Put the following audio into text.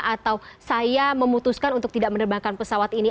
atau saya memutuskan untuk tidak menerbangkan pesawat ini